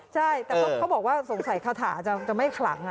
ใช่แต่เขาบอกว่าสงสัยคาถาจะไม่ขลัง